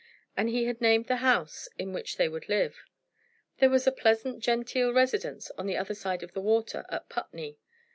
And he had named the house in which they would live. There was a pleasant, genteel residence on the other side of the water, at Putney.